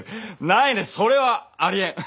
ないないそれはありえん！